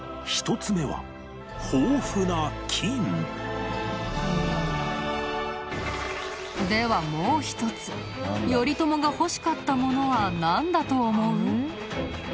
１つ目は豊富な金ではもう一つ頼朝が欲しかったものはなんだと思う？